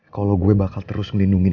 kalau gue bakal terus ngelindungi lo